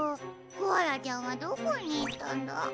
コアラちゃんはどこにいったんだ？